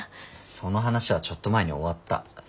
その話はちょっと前に終わった。